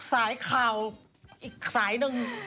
สายข่าวอีกสายหนึ่ง